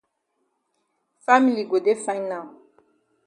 Family go dey fine now.